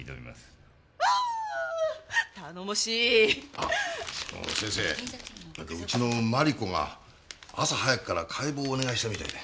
あっその先生なんかうちのマリコが朝早くから解剖をお願いしたみたいで。